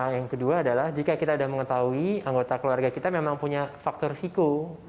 yang kedua adalah jika kita sudah mengetahui anggota keluarga kita memang punya faktor risiko